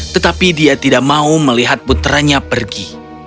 tetapi dia tidak mau melihat putranya pergi